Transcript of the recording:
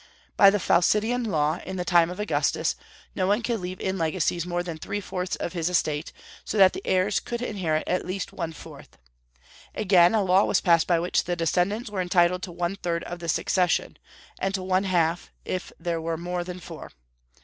By the Falcidian law, in the time of Augustus, no one could leave in legacies more than three fourths of his estate, so that the heirs could inherit at least one fourth. Again, a law was passed by which the descendants were entitled to one third of the succession, and to one half if there were more than four.